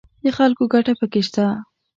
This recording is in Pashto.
د خلکو ګټه پکې شته